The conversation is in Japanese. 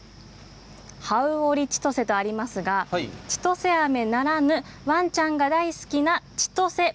ハウオリ千歳とありますがちとせあめならぬワンちゃんの大好きなちとせ○○。